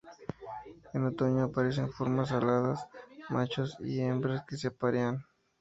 En otoño aparecen formas aladas, machos y hembras que se aparean.